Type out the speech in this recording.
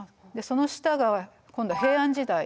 その下が今度は平安時代。